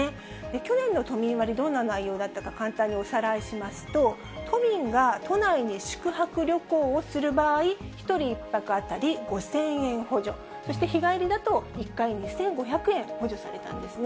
去年の都民割、どんな内容だったか、簡単におさらいしますと、都民が都内に宿泊旅行をする場合、１人１泊当たり５０００円補助、そして日帰りだと１回２５００円補助されたんですね。